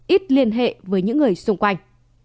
ít liên hệ với những người xung quanh